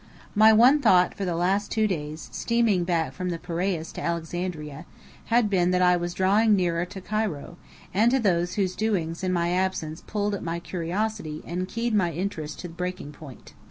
My one thought for the last two days, steaming back from the Piraeus to Alexandria, had been that I was drawing nearer to Cairo, and to those whose doings in my absence pulled at my curiosity and keyed my interest to breaking point.